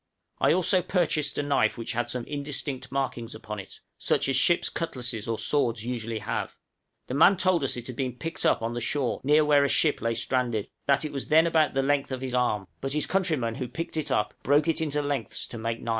I also purchased a knife which had some indistinct markings upon it, such as ship's cutlasses or swords usually have; the man told us it had been picked up on the shore near where a ship lay stranded; that it was then about the length of his arm, but his countryman who picked it up broke it into lengths to make knives.